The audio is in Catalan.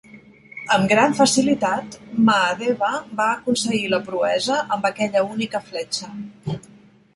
Amb gran facilitat, Mahadeva va aconseguir la proesa amb aquella única fletxa.